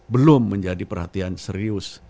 belum menjadi perhatian serius